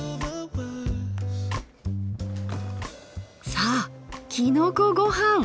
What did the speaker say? さあきのこごはん！